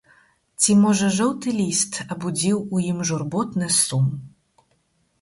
Ці можа жоўты ліст абудзіў у ім журботны сум.